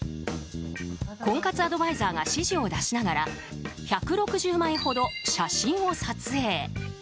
婚活アドバイザーが指示を出しながら１６０枚ほど写真を撮影。